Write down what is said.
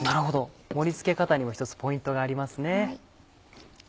盛り付け方にも一つポイントがありますね。